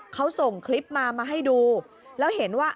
เขาส่งคลิปมามาให้ดูแล้วเห็นว่า